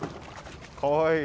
かわいい。